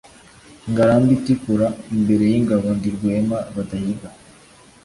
Ngarambe itikura imbere y'ingabo ndi Rwema badahiga